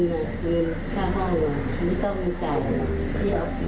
หมาเดินผ่านเพราะว่าอยู่ชั้นเดียวกัน